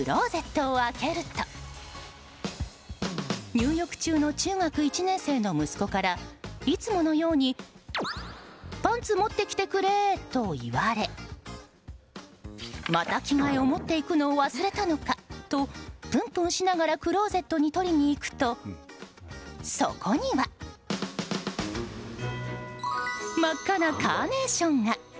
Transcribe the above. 入浴中の中学１年生の息子からいつものようにパンツ持ってきてくれと言われまた着替えを持っていくのを忘れたのか！とプンプンしながらクローゼットに取りに行くとそこには真っ赤なカーネーションが！